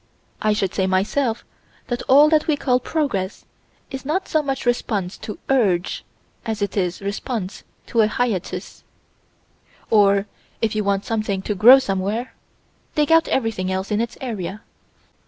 I should say, myself, that all that we call progress is not so much response to "urge" as it is response to a hiatus or if you want something to grow somewhere, dig out everything else in its area.